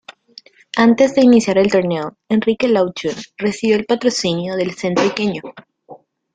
Antes de iniciar el torneo, Enrique Lau Chun recibió el patrocinio de Centro Iqueño.